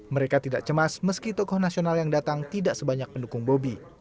mereka tidak cemas meski tokoh nasional yang datang tidak sebanyak pendukung bobi